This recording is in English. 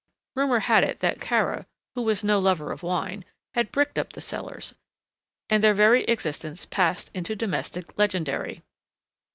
Rumour had it that Kara, who was no lover of wine, had bricked up the cellars, and their very existence passed into domestic legendary.